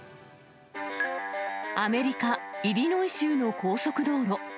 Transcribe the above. アメリカ・イリノイ州の高速道路。